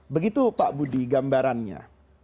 begitu pak budi gambarannya